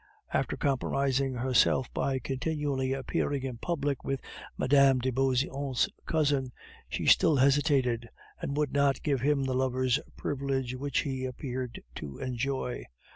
After compromising herself by continually appearing in public with Mme. de Beauseant's cousin she still hesitated, and would not give him the lover's privileges which he appeared to enjoy.